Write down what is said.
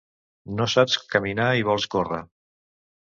No saps caminar i vols córrer.